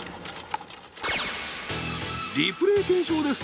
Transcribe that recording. リプレー検証です。